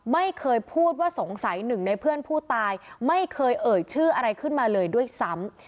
ไม่เคยพูดว่าสงสัยหนึ่งในเพื่อนผู้ตายไม่เคยเอ่ยชื่ออะไรขึ้นมาเลยด้วยซ้ำ